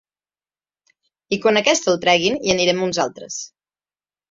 I quan aquesta el treguin, hi anirem uns altres.